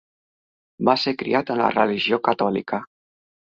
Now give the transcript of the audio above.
Va ser criat en la religió catòlica.